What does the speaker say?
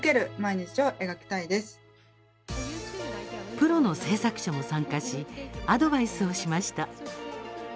プロの制作者も参加しアドバイスをしました。